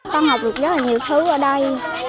con học được rất là nhiều thứ ở đây